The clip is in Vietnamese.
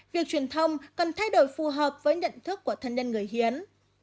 việc truyền thông cần thay đổi phù hợp với nhận thức của thân nhân người hiến